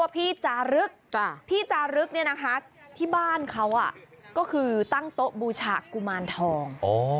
พี่จารึกที่บ้านเขาก็คือตั้งโต๊ะบูชะกุมารทอง